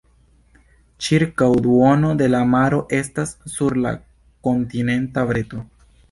Ĉirkaŭ duono de la maro estas sur la kontinenta breto.